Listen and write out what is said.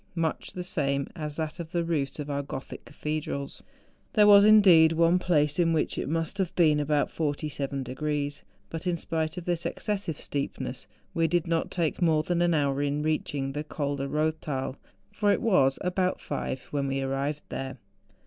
much the same as that of tlie roofs of our Gothic cathedrals. There was, indeed, one place in which it must have been about 47 degrees. But in spite of this excessive steepness, we did not take more than an hour in reaching the Col de Koththal, for it was about five when we arrived there.